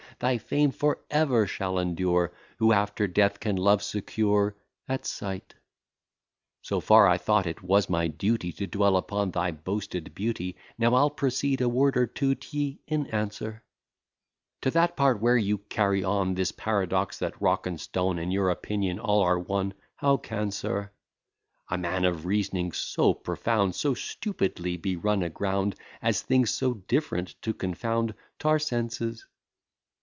Thy fame for ever shall endure, Who after death can love secure at sight. So far I thought it was my duty To dwell upon thy boasted beauty; Now I'll proceed: a word or two t' ye in answer To that part where you carry on This paradox, that rock and stone In your opinion, are all one: How can, sir, A man of reasoning so profound So stupidly be run a ground, As things so different to confound t'our senses?